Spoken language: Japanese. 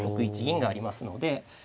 ６一銀がありますので。